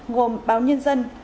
ngồm báo nhân dân